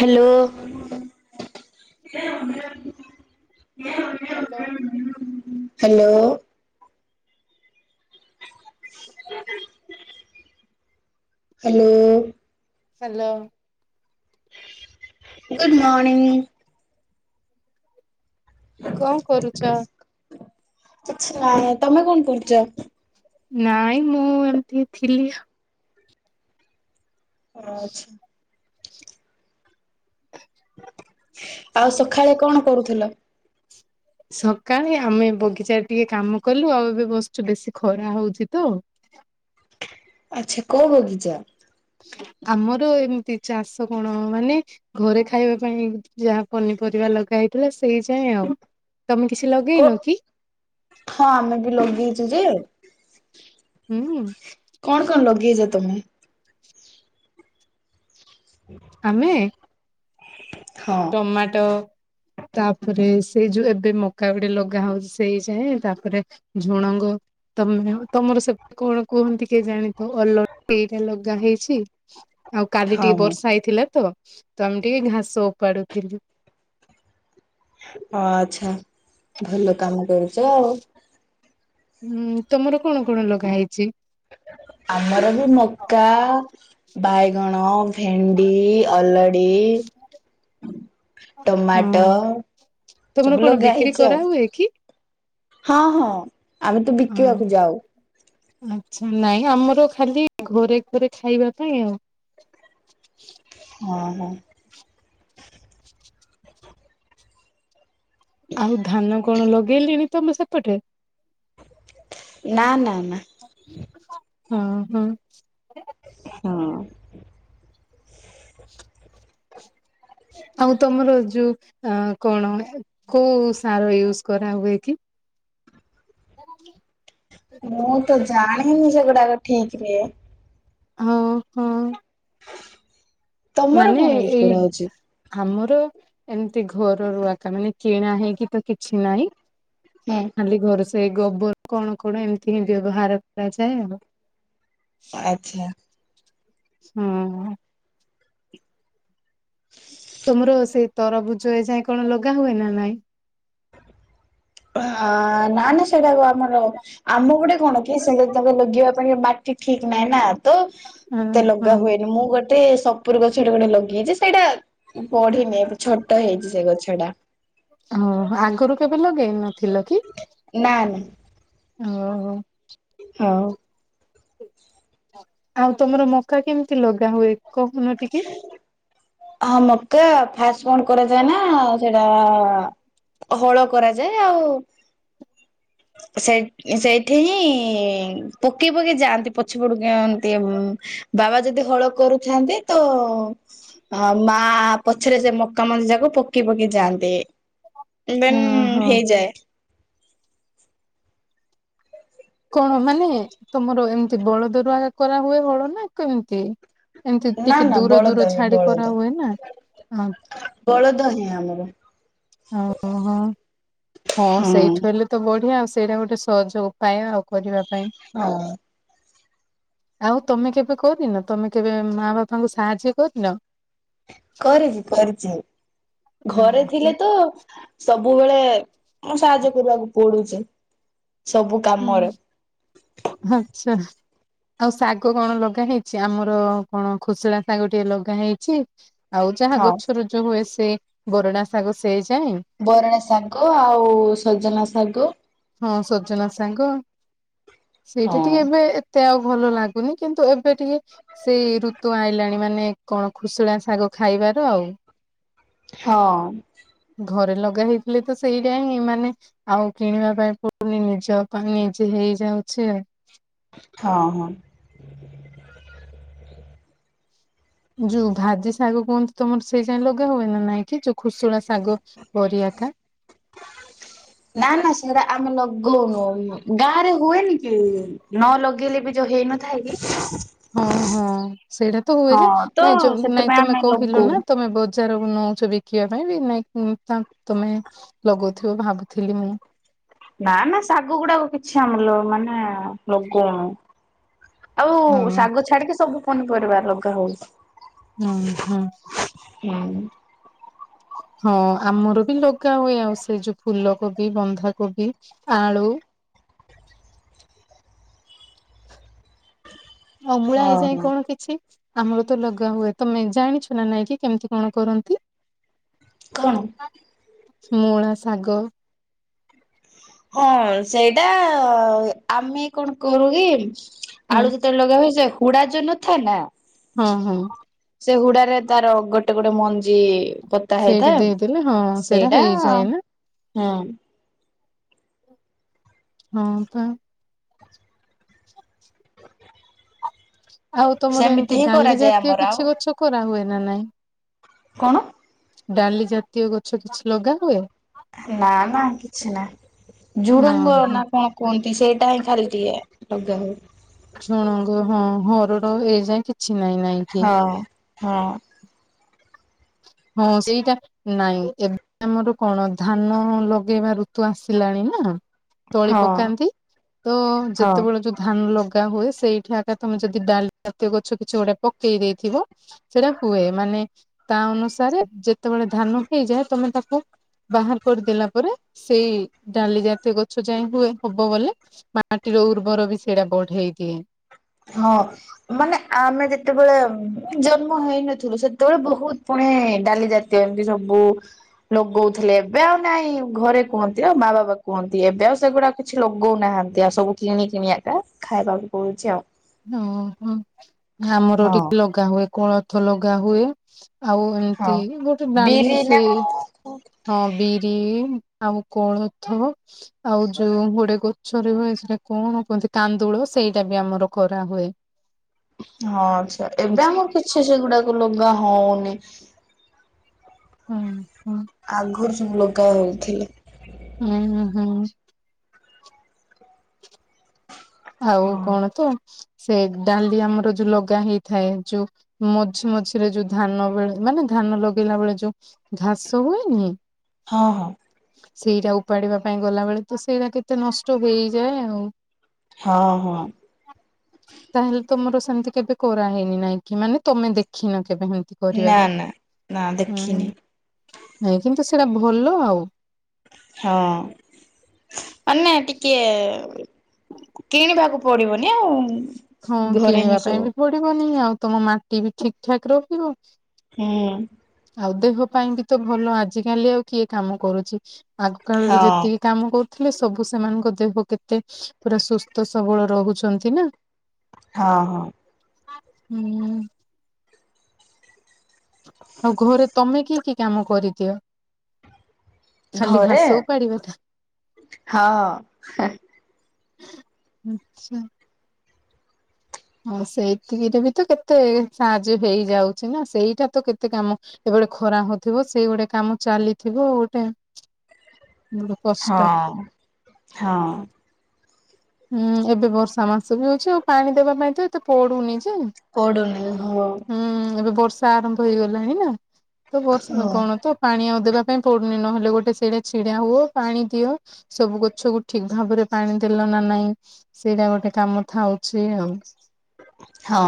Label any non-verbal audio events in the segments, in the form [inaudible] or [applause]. Hello. ନା [inaudible] ସାଲୋ hello. Hello. ସେଲୋ। Good morning. କଣ କରୁଛ? କିଛି ନାହି, ତୋମେ କଣ କରୁଛ? ନାଇଁ ମୁଁ ଏମତି ଥିଲି ଅ, ଅଛି। ଆଉ ସଖାଳେ କଣ କରୁଥିଲ? ସକାଳେ ଆମେ ବଗିଚାରେ ଟିକେ କାମ କଲୁ, ଆଉ ଏବେ ବସଛୁ ବେଶୀ ଖରା ହଉଛି ତ। ଆଚ୍ଛା କୋଉ ବଗିଚା? ଆମର ଏମିତି ଚାଷ କଣ ମାନେ ଘରେ ଖାଇବା ପାଇଁ ଯାହା ପନିପରିବା ଲଗା ହେଇଥିଲା ସେଇ ଯାଏଁ ଆଉ। ତୋମେ କିଛି ଲ କୋ ହଁ ଆମେ ବି ଲଗେଇଚୁ ଯେ ହୁଁ। କଣ କଣ ଲଗେଇଚ ତୋମେ?। [unintelligible] ଆମେ ହଁ। ଟମାଟୋ ତାପରେ ସେଇ ଯୋଉ ଏବେ ମକା ଗୋଟେ ଲଗା ହଉଛି ସେଇ ଯାଏଁ, ତାପରେ ଝୁଣଙ୍ଗ। ତମେ ତମର ସେ କଣ କୁହନ୍ତି କିଏ ଜାଣିଥ ଅଲ ଏଇଟା ଲଗା ହେଇଛି। ଆଉ କାଲି ହଁ ଟିକେ ହଁ। ବର୍ଷା ହେଇଥିଲା ତ ତ ଆମେ ଟିକେ ଘାସ ଉପାଡୁଥିଲୁ। ଅ ଆଛା ଭଲ କାମ କରୁଚ ଆଉ। ହୁଁ ତମର କଣ କଣ ଲଗା ହେଇଚି? ଆମର ବି ମକା ବାଇଗଣ, ଭେଣ୍ଡି, ଅଲଡି। ଟମାଟ ହଁ ତମର ସବୁ କଣ ଲଗା ବିକ୍ରି ହେଇଚି ଆଉ। କରାହୁଏ କି? ହଁ ହଁ ଆମେ ତ ହଁ ବିକିବାକୁ ଯାଉ। ଆଚ୍ଛା ନାଇଁ ଆମର ଖାଲି ଘରେ ଘରେ ଖାଇବା ପାଇଁ ଆଉ। ହଁ ହଁ। ଆଉ ଧାନ କଣ ଲଗେଇଲେଣି ତମ ସେପଟେ? ନା ନା ନା। ହଁ ହଁ। ହଁ। ଆଉ ତମର ଯୋଉ ଆ କଣ କୋଉ ସାର ୟୁଜ କରାହୁଏକି? [unintelligible] ମୁଁତ ଜାଣିନି ସେଗୁଡାକ ଠିକ ରେ। ହଁ ହଁ। ତମର ମାନେ କଣ ୟୁଜ୍ ଏଇ କରାହଉଛି? ଆମର ଏମିତି ଘରରୁ ଆକା ମାନେ କିଣା ହେଇକିତ କିଛି ନାହିଁ। ହୁଁ। ଖାଲି ଘରେ ସେ ଗୋବର କଣ କଣ ଏମିତି ହିଁ ବ୍ୟବହାର କରାଯାଏ ଆଉ। ଆଛା। ହଁ। ତମର ସେଇ ତରଭୁଜ ଏଯାଏଁ କଣ ଲଗା ହୁଏ ନା ନାଇଁ? ଆ ନା ନା ସେଡାକୁ ଆମର ଆମ ଗୋଟେ କଣ କିଏ [unintelligible] ତାଙ୍କ ଲଗେଇବା ପାଇଁ ମାଟି ଠିକ ନାହିଁନା ତ ହଁ ଏତେ ହଁ। ଲଗା ହୁଏନି ମୁଁ ଗଟ ଗୋଟେ ସପୁର ଗଛଟା ଗୋଟେ ଲଗେଇଯାଚି ସେଇଟା ବଢିନି ଏବେ ଛୋଟ ହେଇଚି ସେ ଗଛ ଟା। ହଁ ଆଗରୁ କେବେ ଲଗେଇନଥିଲ କି ନା ଓ ହୋ। ହୋଉ। ଆଉ ତମର ମକା କେମିତି ଲଗା ହୁଏ କହୁନ ଟିକେ? ହଁ ମତେ ଫାଷ୍ଟ କଣ କରାଯାଏ ନା ସେଇଟା ହଳ କରାଯାଏ ଆଉ ସେ ସେଇଠି ହିଁ ପକେଇ ପକେଇ ଯାଆନ୍ତି ପଛପଡ କିନ୍ତି ମ୍ ବାବା ଯଦି ହଳ କରୁଥାନ୍ତି ତ ଆ ମା ପଛରେ ସେ ମକା ମଞ୍ଜି ଯାକ ପକେଇ ପକେଇ ଯାଆନ୍ତି। ବନ୍ ଓହୋ। [unintelligible] ହେଇଯାଏ। କଣ ମାନେ ତମର ଏମିତି ବଳଦରୁ କରାହୁଏ ହଳ ନା କେମିତି? ଏମତି ନା ଟିକେ ନା ଦୂର ବଳଦ ଦୂର ହିଁ ଛାଡି ବଳଦ କରା ହୁଏ ନା ଆ ବଳଦ ହିଁ ଆମର। ଓ ହୋ ହଁ ସେଇଠୁ ହେଲେ ତ ବଢିଆ ସେଇଟା ଗୋଟେ ସହଜ ଉପାୟ ଆଉ କରିବା ପାଇଁ। ହଁ ଆଉ ତମେ କେବେ କରିନ ତମେ କେବେ ମା ବାପାଙ୍କୁ ସାହାଯ୍ୟ କରିନ? କରିଚି କରିଚି ଘରେ ହଁ। ଥିଲେ ତ ସବୁବେଳେ ମୁଁ ସାହାଯ୍ୟ କରିବାକୁ ପଡୁଚି। ସବୁ କା ହୁଁ ଆଚ୍ଛା। ଆଉ ଶାଗ କଣ ଲଗା ହେଇଚି? ଆମର କଣ ଖୁସଲା ଶାଗ ଟିକେ ଲଗା ହେଇଚି। ଆଉ ଯାହା ହଁ ଗଛରୁ ଯୋଉ ହୁଏ ସେ ବରଡା ଶାଗ ସେ ଯାଏ। ବରଣା ଶାଗ ଆଉ ସଜନା ଶାଗ ହଁ ସଜନା ସାଙ୍ଗ ସେଇଟା ହଁ ଟିକେ ଏବେ ଏ ତେ ଆଉ ଭଲ ଲାଗୁନି କିନ୍ତୁ ଏବେ ଟିକେ ସେଇ ଋତୁ ଆଇଲାଣି ମାନେ କଣ ଖୁସୁଳା ଶାଗ ଖାଇବାର ଆଉ। ହଁ। ଘରେ ଲଗା ହେଇଥିଲେ ତ ସେଇଟା ହିଁ ମାନେ ଆଉ କିଣିବା ପାଇଁ ପଡୁନି ନିଜ ପାଇଁ ନିଜେ ହେଇଯାଉଛି ଆଉ। ହଁ ହଁ। ଯୋଉ ଭାଜି ଶାଗ କୁହନ୍ତି ତମର ସେଇ ଯାଏ ଲଗା ହୁଏ ନା ନାଇଁ କି? ଖୁସୁଳା ଶାଗ ବରିଆକା ନା ନା ସେଇଟା ଆମେ ଲଗଉନୁ ଗାଁ ରେ ହୁଏନି କି? ନ ଲଗେଇଲେ ବି ଯୋଉ ହେଇନଥାଏ କି? ହଁ ହଁ ସେଇଟା ତ ହୁଏ ହଁ ଯେ ତ ନାଇଁ ନାଇଁ ସେଥିପାଇଁ ତମେ ଆମେ କହିଲ ଲଗଉନୁ। ନା ତମେ ବ ଚାରକୁ ନଉଛ ବିକିବା ପାଇଁ ବି ନାଇଁ ତା ତମେ ଲଗଉଥିବ ଭାବୁଥିଲି ମୁଁ। ନା ନା ଶାଗ ଗୁଡାକ କିଛି ଆମଲ ମାନେ ଲଗଉନୁ। ଆଉ ହଁ। ଶାଗ ଛାଡିକି ସବୁ ପନିପରିବା ଲଗା ହଉଛି। ହଁ ହଁ। ହୁଁ। ହଁ ଆମର ବି ଲଗା ହୁଏ ଆଉ ସେ ଯୋଉ ଫୁଲ କୋବି ବନ୍ଧାକୋବି ଆଳୁ। ଅଉମୂଳା ହଁ ହେଇଯାଏ ହଁ। କଣ କିଛି। ଆମର ତ ଲଗା ହୁଏ ତମେ ଜାଣିଛ ନା ନାଇଁ କିି କେମିତି କଣ କରନ୍ତି? କଣ? ମୂଳା ଶାଗ। ହଁ ସେଇଟା ଆମେ କଣ କରୁ କି ହୁଁ ଆଳୁ ଯଦି ତ ଲଗା ହୁଏ ସେ ହୁଡା ଯୋଉ ନଥାଏ ନା? ହଁ ହଁ। ସେ ହୁଡା ରେ ତାର ଗୋଟେ ଗୋଟେ ମଞ୍ଜି ପୋତା ସେଇଟା ହେଇଥାଏ ଦେଇଦେଲେ ହଁ ସେଇଟା ହେଇଯାଏ ନା ହୁଁ। ହଁ ପା। ଆଉ ତମର ସେମିତି ଏମିତି ହିଁ ଡାଲି କରାଯାଏ ଜାତୀୟ ଆମର ଆଉ। କିଛି ଗଛ କରା ହୁଏ ନା ନାଇଁ? କଣ? ଡାଲି ଜାତୀୟ ଗଛ କିଛି ଲଗା ହୁଏ? ନା ନା କିଛି ନାହିଁ ଝୁଡଙ୍ଗ ହଁ ହଁ ନା କଣ? କଣତି ସେଟାଇ ଖାଲଟିଏ ଲଗାହୁଏ। କଣଙ୍କ ହଁ ହରଡ଼ ଏ ଯାଏ କିଛି ନାଇଁ ନାଇଁ। କି? ହଁ ହଁ। ହଁ ସେଇଟା। ନାଇଁ ଏବେ ଆମର କଣ ଧାନ ଲଗେଇବା ଋତୁ ଆସିଲାଣି ନା? ତଳି ହଁ ପକାନ୍ତି ତ ହଁ। ଯେତେବେଳେ ଯୋଉ ଧାନ ଲଗା ତା ହୁଏ ସେଇଠି ଆଗ ତମେ ଯଦି ଡାଲି ଜାତୀୟ ଗଛ କିଛି ଗୋଟେ ପକେଇ ଦେଇଥିବ। ସେଇଟା ହୁଏ ମାନେ ତା ଅନୁସାରେ ଯେତେବେଳେ ଧାନ ହେଇଯାଏ ତମେ ତାକୁ ବାହାର କରିଦେଲା ପରେ ସେଇ ଡାଲି ଜାତୀୟ ଗଛ ଯାଏ ହୁଏ ହବବୋଲେ ମାଟିର ଉର୍ବର ବି ସେଇଟା ବଢେଇ ଦିଏ। ହଁ। ମାନେ ଆମେ ଯେତେବେଳେ ଜନ୍ମ ହେଇନଥିଲୁ ସେତେବେଳେ ବୋହୁତ ପୁଣି ଡାଲି ଜା କେମିତି ସବୁ ଲଗୋଉଥିଲେ ଏବେ ଆଉ ନାଇଁ ଘରେ କୁହନ୍ତି ଆଉ ମା ବାବା କୁହନ୍ତି ଏବେ ଆଉ ସେଗୁଡାକ କିଛି ଲଗୋଉ ନାହାନ୍ତି ଆଉ ସବୁ କିଣି କିଣିବା ଏକା ଖାଇବାକୁ ପଡୁଚି ଆଉ। ଓହୋ ଆମର ହଁ। ଟିକେ ଲଗା ହୁଏ। କୋଳଥ ଲଗା ହୁଏ ଆଉ ହଁ ଏମିତି ଗୋଟେ ଡାଲି ବିରି ନା ସେ କଣ ହଁ ବିରି ଆଉ କୋଳଥ ଆଉ ଯୋଉ ଗୋଟେ ଗଛରେ ହୁଏ ସେଟା କଣ କୁହନ୍ତି କାନ୍ଦୁଳ ସେଇଟା ବି ଆମର କରାହୁଏ। ହ ହଁ ଆଚ୍ଛା ଏବେ ଆମର କିଛି ସେଗୁଡାକ ଲୁଗା ହୋଉନି। ହୁଁ। ଆଗରୁ ସବୁ ଲଗା ହୋଉଥିଲେ। ଉଁ ହୁଁ ହୁଁ। ଆଉ ହଁ କଣ ତ ସେ ଡାଲି ଆମର ଯୋଉ ଲଗା ହେଇଥାଏ। ଯୋ ମଝି ମଝିରେ ଯୋଉ ଧାନ ବେଳେ ମାନେ ଧାନ ଲଗେଇଲା ବେଳେ ଯୋଉ ଘାସ ହୁଏନି ହଁ ହଁ। ସେଇଟା ଉପାଡିବା ପାଇଁ ଗଲା ବେଳେ ତ ସେଇଟା କେତେ ନଷ୍ଟ ହେଇଯାଏ ଆଉ। ହଁ ହଁ। ତାହେଲେ ତମର ସେମିତି କେବେ କରାହଇନି, ନାଇଁ କି ମାନେ ତମେ ଦେଖିନ କେବେ ହେମିତି। ନା କରିବାର। ନା ନା ହୁଁ ଦେଖିନି ନାଇଁ କିନ୍ତୁ ସେରା ଭଲ ଆଉ। ହଁ ମାନେ ଟିକେ କିଣିବାକୁ ପଡିବନି ଆଉ। ହଁ ଘରେ ହିଁ କିଣିବା ପାଇଁ ସବୁ ବି ପଡିବନି, ଆଉ ତମ ମାଟି ବି ଠିକ୍ ଠାକ୍ ରହିବ। ହୁଁ। ଆଉ ଦେହ ପାଇଁ ବି ତ ଭଲ ଆଜିକାଲି ଆଉ କିଏ କାମ କରୁଚି। ଆଗ କାଳରେ ହଁ ଯେତିକି କାମ କରୁଥିଲେ ସବୁ ସେମାନଙ୍କ ଦେହ କେତେ ପୁରା ସୁସ୍ଥ ସବଳ ରହୁଚନ୍ତି ନା। ହଁ ହଁ। ହୁଁ। ଆଉ ଘରେ ତମେ କି କି କାମ କରିଦିଅ? ଖାଲି ଘରେ ଘାସ ଉପାଡିବା ଟା ହଁ ହେଁ। ଆଚ୍ଛା। ହଁ ସେଇଥିକିରେ ବି ତ କେତେ ସାହାଯ୍ୟ ହେଇଯାଉଚି, ନା ସେଇଟା ତ କେତେ କାମ ଏପଟେ ଖରା ହୋଉଥିବ ସେଇ ଗୋଟେ କାମ ଚାଲିଥିବ। ଗୋଟେ ବଡ କଷ୍ଟ। ହଁ ହଁ। ହୁଁ ଏବେ ବର୍ଷା ମାସ ବି ଅଛି, ଆଉ ପାଣି ଦେବା ପାଇଁ ତ ଏତେ ପଡୁନି ଯେ। ପଡୁନି ହଁ। ହୁଁ ଏବେ ବର୍ଷା ଆରମ୍ଭ ହେଇଗଲାଣି ନା ତ ବର୍ଷା ହଁ କଣ ତ ପାଣି ଆଉ ଦେବା ପାଇଁ ପଡୁନି। ନହେଲେ ଗୋଟେ ସେଡେ ଛିଡା ହୁଅ ପାଣି ଦିଅ। ସବୁ ଗଛକୁ ଠିକ୍ ଭାବରେ ପାଣି ଦେଲ ନା ନାଇଁ ସେଇଟା ଗୋଟେ କାମ ଥାଉଛି ଆଉ। ହଁ।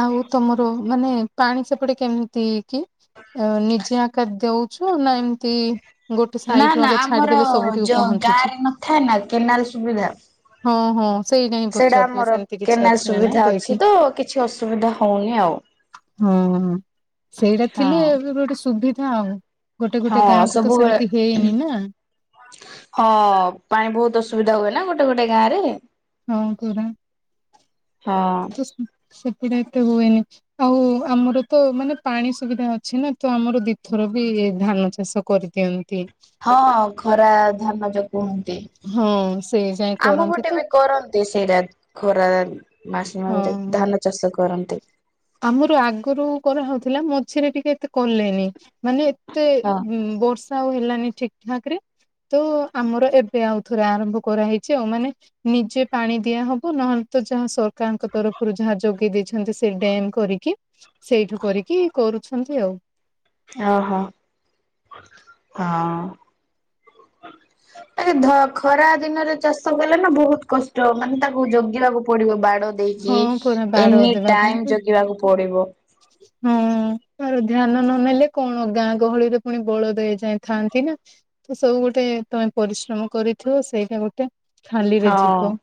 ଆଉ ତମର ମାନେ ପାଣି ସେପଟେ କେମିତି କି। ନିଜେ ଆକାର ଦଉଛୁ ନା ଏମିତି ଗୋଟେ ନା ସାଇଡ ନା ରୁ ଆମର ଛାଡିଦେଲେ ସବୁଠି ଯୋଉ ପହଞ୍ଚୁଛି। ଗାଁରେ ନଥାଏ ନା କେନାଲ ସୁବିଧା ହଁ ହଁ ସେଇଟା ହିଁ ପଚୁାରଥିଲି, ଆମର ସେମିତି କିଛି କେନାଲ ଅଛି ନା ନାଇଁ ସୁବିଧା ଅଛି କହିଛିି। ତ କିଛି ଅସୁବିଧା ହଉନି ଆଉ। ହଁ। ସେଇଟା ଥିଲେ ହଁ ଏବେ ଗୋଟେ ସୁବିଧା ଆଉ। ଗୋଟେ ଗୋଟେ ହଁ ଗାଁ କୁ ତ ସବୁବେଳେ ସେମତି ହେଇନି ନା। ହଁ ପାଣି ବହୁତ ଅସୁବିଧା ହୁଏ ନା ଗୋଟେ ଗୋଟେ ଗାଁ ରେ। ହଁ ପୁରା ହଁ ତ ସେପଟା ଏତେ ହୁଏନି। ଆଉ ଆମର ତ ମାନେ ପାଣି ସୁବିଧା ଅଛି ନା ତ, ଆମର ଦିଥର ବି ଧାନ ଚାଷ କରି ଦିଅନ୍ତି। ହଁ। ଖରା ଧାନ, ଯ। କୁହନ୍ତି, ହଁ ସେଇ ଯାଏ ଆମ କରନ୍ତି ପଟେ ତ ବି କରନ୍ତି ସେଇଟା। ଖରା ମାସ ମାନେ ହଁ। ଧାନ ଚାଷ କରନ୍ତି। ଆମର ଆଗରୁ କରାହଉଥିଲା, ମଝିରେ ଟିକେ ଏତେ କଲେନି। ମାନେ ଏତେ ହଁ ବର୍ଷା ଆଉ ହେଲାନି ଠିକ ଠାକ ରେ। ତ ଆମର ଏବେ ଆଉ ଥରେ ଆରମ୍ଭ କରାହେଇଛି। ଆଉ ମାନେ ନିଜେ ପାଣି ଦିଆ ହବ। ନହେଲେ ତ ଯାହା ସରକାରଙ୍କ ତରଫରୁ ଯାହା ଯୋଗେଇ ଦେଇଛନ୍ତି ସେ ଡ୍ୟମ୍ କରିକି, ସେଇଠୁ କରିକି କରୁଛନ୍ତି ଆଉ। ଅ ହଁ ହଁ। ଏ ଖରା ଦିନରେ ଚାଷ କଲେ ନା ବହୁତ କଷ୍ଟ ମାନେ ତାକୁ ଜଗିବାକୁ ପଡିବ ବାଡ ହଁ ଦେଇକି ପରା ବାଡ଼ ଏନି ଦେବା ପାଇଁ ତ। ଟାଇମ ଜଗିବାକୁ ପଡିବ। ହଁ ହଁ ଆାର ଧ୍ୟାନ ନନେଲେ କଣ ଗାଁ ଗହଳିରେ ପୁଣି ବଳ ଦେଇ ଯାଇଥାନ୍ତି ନା। ତ ସବୁ ଗୋଟେ ତମେ ପରିଶ୍ରମ କରିଥିବ ସେଇଟା ଗୋଟେ। ଖାଲିରେ ହଁ ଯିବ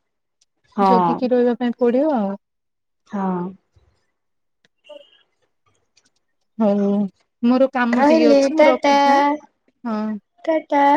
ହଁ। ଜଗିକି ରହିବା ପାଇଁ ପଡିବ ଆଉ। ହଁ ହଉ ମୋର କାମ ଟିକେ ରହିଲି ଅଛି ମୁଁ ଟାଟା ରଖୁଛି ହଁ। ଟାଟା।